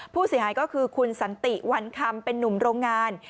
ผู้เสียหายก็คือคุณสันติวันคำเป็นนุ่มโรงงาน